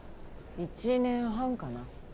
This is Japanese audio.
１年半かな。